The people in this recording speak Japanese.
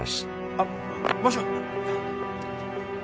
あっもしもし！